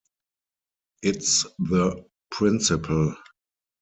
It's the principle.